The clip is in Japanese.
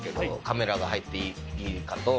カメラが入っていいかと。